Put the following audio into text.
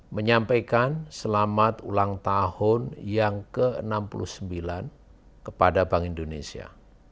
menyampaikan selamat ulang tahun yang ke enam puluh sembilan kepada bank indonesia